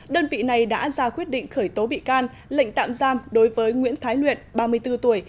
đơn vị này đã ra quyết định khởi tố bị can lệnh tạm giam đối với nguyễn thái luyện ba mươi bốn tuổi